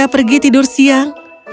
dia pergi tidur siang